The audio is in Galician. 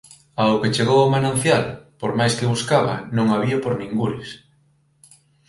Ao que chegou ao manancial, por máis que buscaba non a vía por ningures.